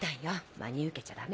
真に受けちゃダメ。